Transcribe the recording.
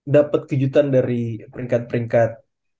dapat kejutan dari peringkat peringkat